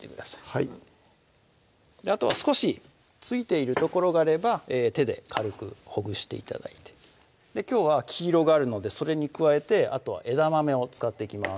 はいあとは少し付いている所があれば手で軽くほぐして頂いてきょうは黄色があるのでそれに加えてあとは枝豆を使っていきます